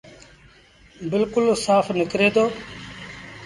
بلڪُل سآڦ نڪري دو۔